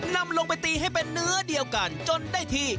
นำลงไปตีให้เป็นเนื้อเดียวกันจนได้ที่